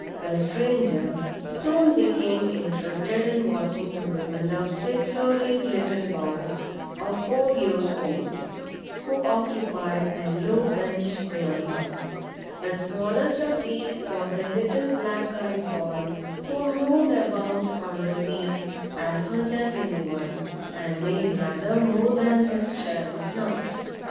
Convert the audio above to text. (the stranger) soon became interested in watching the movement of six or eight little boys, of four years old, who occupied a low bench near her. The smallest of these was a little black eyed boy, who moved about on the seat as much as any one, and made rather more than his share of noise.